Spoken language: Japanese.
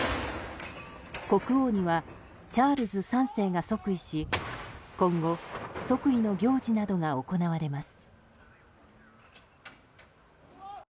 国王にはチャールズ３世が即位し今後、即位の行事などが行われます。